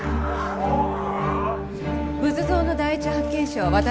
仏像の第一発見者は私です。